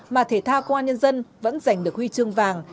mà thể thao công an nhân dân vẫn giành được huy chương vàng